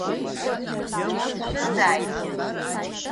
Исшәызааит.